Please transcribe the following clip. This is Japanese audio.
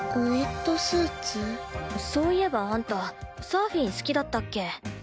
そういえばあんたサーフィン好きだったっけ。